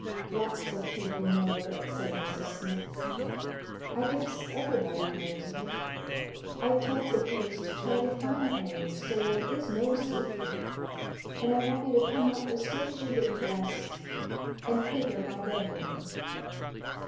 "Lots of people know of it," said Mrs. Smitz. "I guess everybody knows of it I told the police to try to find Henry, so it is no secret. And I want you to come up as soon as you get dressed, and paper my bedroom."